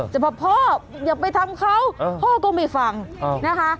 บอกพ่ออย่าไปทำเขาพ่อก็ไม่ฟังนะคะ